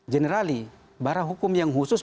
generali barang hukum yang khusus